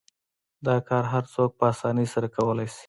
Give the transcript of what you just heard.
دا کار هر څوک په اسانۍ سره کولای شي.